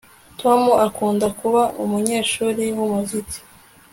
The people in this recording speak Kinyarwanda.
Tom akunda kuba umunyeshuri wumuziki